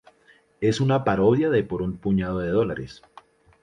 Es una parodia de "Por un puñado de dólares".